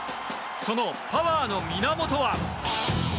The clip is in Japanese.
そのパワーの源は。